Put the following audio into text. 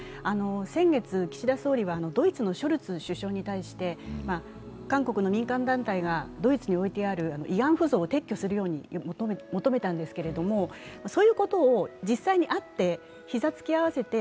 先月岸田総理はドイツのショルツ首相に対して韓国の民間団体がドイツに置いてある慰安婦像を撤去するよう求めたんですけれども、そういうことを実際に会って、膝突き合わせて、